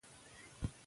آیا سبا رخصتي ده؟